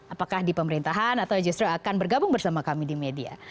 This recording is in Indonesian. apakah di pemerintahan atau justru akan bergabung bersama kami di media